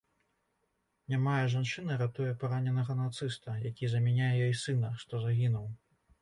Нямая жанчына ратуе параненага нацыста, які замяняе ёй сына, што загінуў.